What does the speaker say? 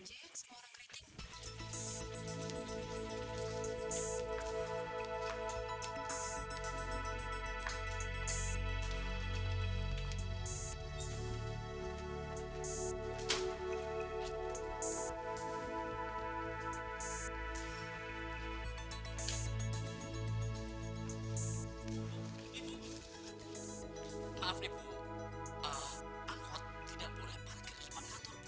saya sudah berusaha